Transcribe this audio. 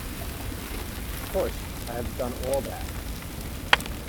Of course, I have done all that.